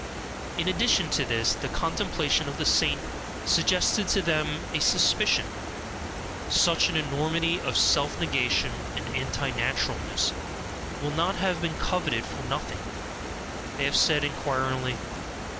In addition to this, the contemplation of the saint suggested to them a suspicion: such an enormity of self negation and anti naturalness will not have been coveted for nothing they have said, inquiringly.